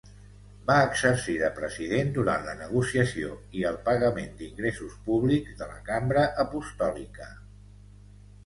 Va exercir de president durant la negociació i el pagament d'ingressos públics de la Cambra Apostòlica.